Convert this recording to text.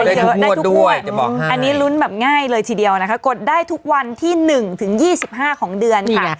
เยอะได้ทุกงวดอันนี้ลุ้นแบบง่ายเลยทีเดียวนะคะกดได้ทุกวันที่๑ถึง๒๕ของเดือนค่ะ